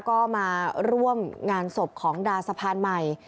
ก็มาร่วมงานศพของดาสะพานใหม่